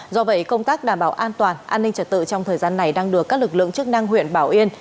do vậy công tác đảm bảo an toàn an ninh trật tự trong thời gian này đang được các lực lượng chức năng huyện bảo yên